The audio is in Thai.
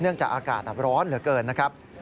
จากอากาศร้อนเหลือเกินนะครับ